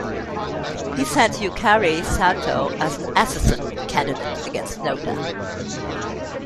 He sent Yukari Sato as an "assassin" candidate against Noda.